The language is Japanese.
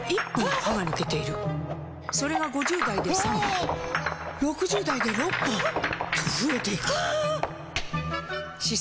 歯が抜けているそれが５０代で３本６０代で６本と増えていく歯槽